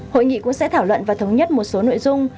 hội nghị cũng sẽ thảo luận và thống nhất một số nội dung